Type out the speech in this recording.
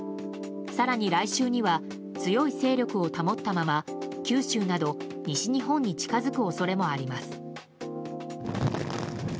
更に来週には強い勢力を保ったまま九州など西日本に近づく恐れもあります。